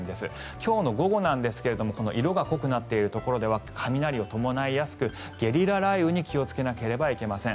今日の午後なんですが色が濃くなっているところでは雷を伴いやすく、ゲリラ雷雨に気をつけなければいけません。